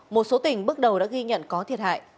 một số tỉnh bước đầu đã ghi nhận có thiệt hại